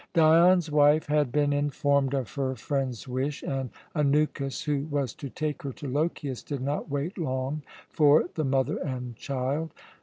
Dion's wife had been informed of her friend's wish, and Anukis, who was to take her to Lochias, did not wait long for the mother and child.